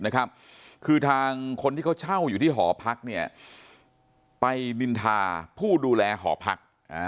คือทางคนที่เขาเช่าอยู่ที่หอพักเนี่ยไปนินทาผู้ดูแลหอพัก